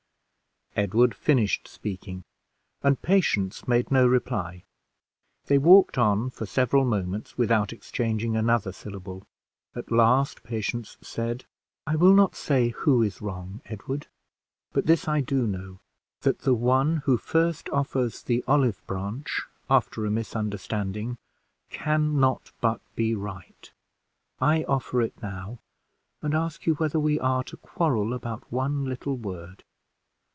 Edward finished speaking, and Patience made no reply; they walked on for several moments without exchanging another syllable. At last Patience said, "I will not say who is wrong, Edward; but this I do know, that the one who first offers the olive branch after a misunderstanding, can not but be right. I offer it now, and ask you whether we are to quarrel about one little word.